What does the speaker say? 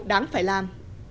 đáng phải làm